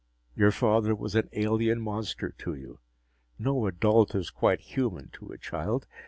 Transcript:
Your father was an alien monster to you no adult is quite human to a child.